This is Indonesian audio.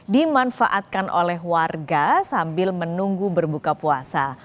dimanfaatkan oleh warga sambil menunggu berbuka puasa